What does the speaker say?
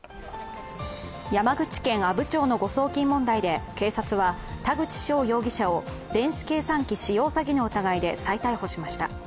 山口県阿武町の誤送金問題で警察は田口翔容疑者を電子計算機使用詐欺の疑いで再逮捕しました。